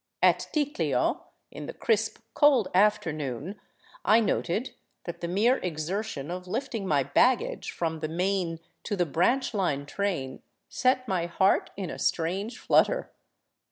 At Ticlio, in the crisp, cold afternoon, I noted that the mere exertion of lifting my bag gage from the main to the branch line train set my heart in a strange flutter.